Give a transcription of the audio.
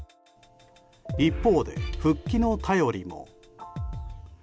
一方で復帰の便りも。